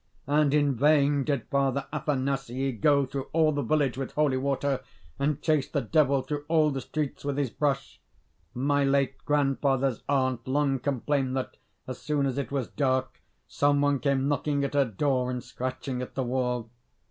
And in vain did Father Athanasii go through all the village with holy water, and chase the Devil through all the streets with his brush. My late grandfather's aunt long complained that, as soon as it was dark, some one came knocking at her door and scratching at the wall.